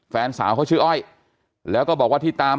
แฟนสาวเขาชื่ออ้อย